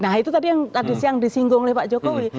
nah itu tadi yang disinggung oleh pak jokowi